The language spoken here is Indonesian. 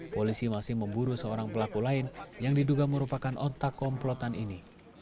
polisi masih memburu seorang pelaku lain yang diduga merupakan otak komplotan ini